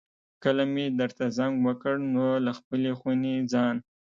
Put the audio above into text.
کله مې درته زنګ وکړ نو له خپلې خونې ځان.